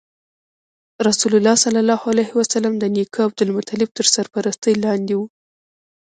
رسول الله ﷺ د نیکه عبدالمطلب تر سرپرستۍ لاندې و.